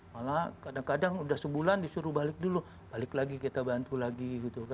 malah kadang kadang udah sebulan disuruh balik dulu balik lagi kita bantu lagi